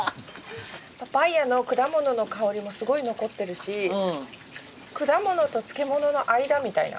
パパイアの果物の香りもすごい残ってるし果物と漬物の間みたいな。